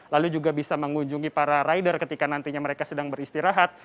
lalu juga bisa mengunjungi para rider ketika nantinya mereka sedang beristirahat